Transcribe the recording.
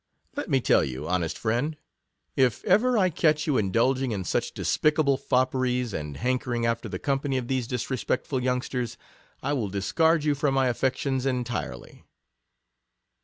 Let me tell you, honest friend, if ever I catch you indulging in such despicable fopperies, and hankering after the company of these disrespectful youngsters, I will dis card you from my affections entirely.